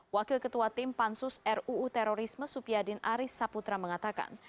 wakil ketua tim pansus ruu terorisme supiadin aris saputra mengatakan